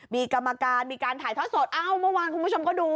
มีกรรมการมีการถ่ายทอดสดอ้าวเมื่อวานคุณผู้ชมก็ดู